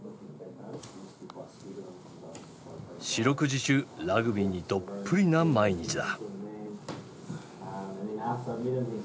四六時中ラグビーにどっぷりな毎日だ。